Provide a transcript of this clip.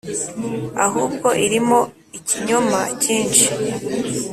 ahubwo irimo ikinyoma cyinshi